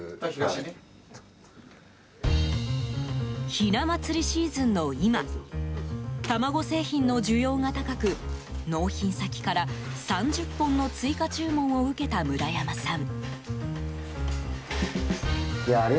ひな祭りシーズンの今卵製品の需要が高く納品先から３０本の追加注文を受けた村山さん。